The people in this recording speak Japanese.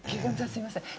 すいません。